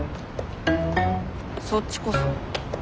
そっちこそ。